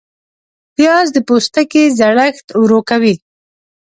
پیاز د پوستکي زړښت ورو کوي